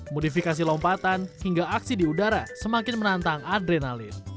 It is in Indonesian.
modifikasi lompatan hingga aksi di udara semakin menantang adrenalin